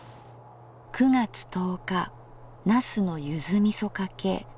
９月１０日「茄子のゆづみそかけ」。